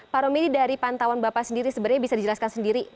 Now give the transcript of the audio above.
pak romini dari pantauan bapak sendiri sebenarnya bisa dijelaskan sendiri